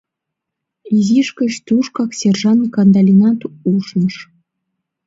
Изиш гыч тушкак сержант Кандалинат ушныш.